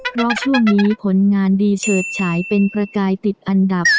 เพราะช่วงนี้ผลงานดีเฉิดฉายเป็นประกายติดอันดับ